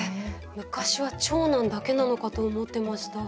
昔は長男だけなのかと思ってました。